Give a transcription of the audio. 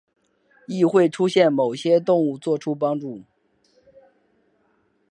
亦会出现某些动物作出帮助。